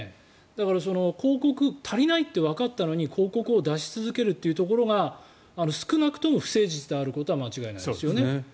だから広告足りないってわかったのに広告を出し続けるところが少なくとも不誠実であることは間違いないですよね。